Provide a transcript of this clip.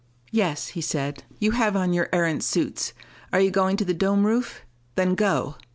"Yes," he said. "You have on your Erentz suits: are you going to the dome roof? Then go."